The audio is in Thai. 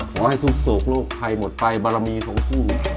ขอให้ทุกศพโลกไผ่หมดไปบารมีเขาสู้